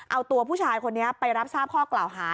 เอาตัวผู้ชายคนนี้ไปรับทราบข้อกล่าวหา